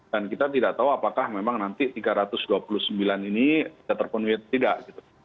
dan kita tidak tahu apakah memang nanti tiga ratus dua puluh sembilan ini terpenuhi atau tidak